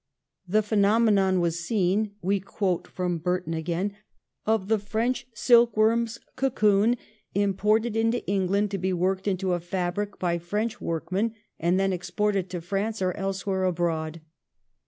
' The phe nomenon was seen' — we quote from Burton again —* of the French silkworm's cocoon imported into England to be worked into a fabric by French workmen and then exported to France or elsewhere abroad.'